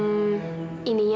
tunggu tunggu tunggu